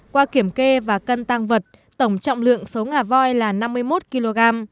qua kiểm kê và cân tăng vật tổng trọng lượng số ngà voi là năm mươi một kg